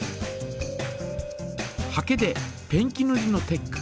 ハケでペンキぬりのテック。